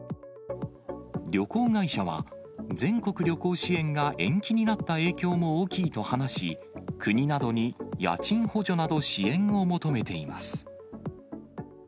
旅行会社は、全国旅行支援が延期になった影響も大きいと話し、国などに家賃補助など支援を求めています。